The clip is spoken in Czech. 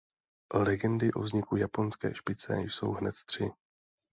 Legendy o vzniku japonské špice jsou hned tři.